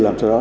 làm sao đó